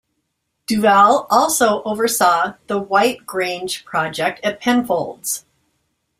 Duval also oversaw the 'White Grange' project at Penfolds.